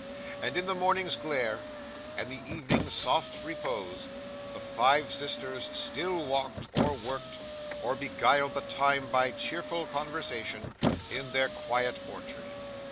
And in the morning's glare, and the evening's soft repose, the five sisters still walked, or worked, or beguiled the time by cheerful conversation, in their quiet orchard.